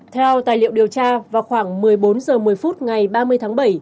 theo tài liệu điều tra vào khoảng một mươi bốn h một mươi phút ngày ba mươi tháng bảy